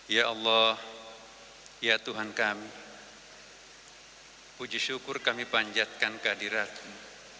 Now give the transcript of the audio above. ya allah ya tuhan kami puji syukur kami panjatkan kehadiratmu